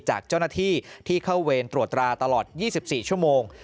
จากเจ้าหน้าที่ที่เข้าเวรตรวจตราตลอด๒๔ชั่วโมง